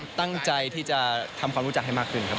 ตั้งใจที่จะทำความรู้จักให้มากขึ้นครับ